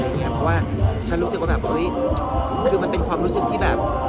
เพราะว่าฉันรู้สึกว่าแบบเฮ้ยคือมันเป็นความรู้สึกที่แบบ